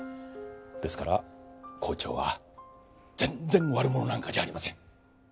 ですから校長は全然悪者なんかじゃありません。